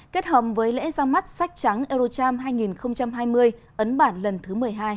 kết hợp với lễ ra mắt sách trắng eurocharm hai nghìn hai mươi ấn bản lần thứ một mươi hai